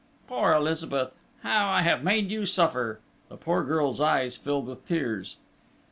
"Poor Elizabeth! How I have made you suffer!" The poor girl's eyes filled with tears.